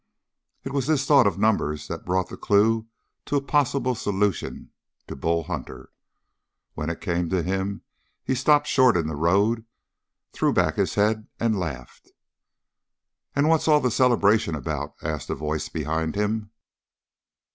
It was this thought of numbers that brought the clue to a possible solution to Bull Hunter. When it came to him he stopped short in the road, threw back his head and laughed. "And what's all the celebration about?" asked a voice behind him.